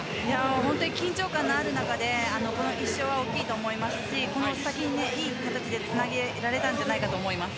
本当に緊張感のある中でこの１勝は大きいと思いますしこの先に、いい形でつなげられたんじゃないかと思います。